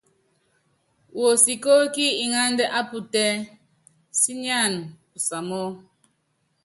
Wuosikóókí iŋánda á putɛ́ sínyáana pusamɔ́.